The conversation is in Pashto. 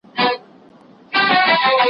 څو دوکانه څه رختونه څه مالونه